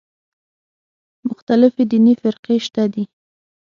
مختلفې دیني فرقې شته دي.